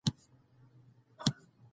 ایا هغې خپله پرېکړه د تل لپاره کړې وه؟